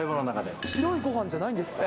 白いごはんじゃないんですか？